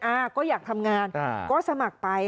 อ่าก็อยากทำงานอ่าก็สมัครไป